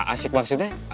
asik banget sih deh